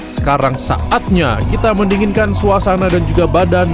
sekarang saatnya kita mendinginkan suasana dan juga badan